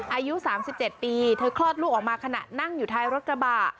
อายุ๓๗ปีเธอคลอดลูกออกมาขณะนั่งอยู่ท้ายรถกระบะ